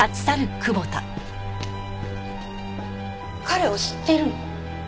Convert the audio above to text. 彼を知っているの？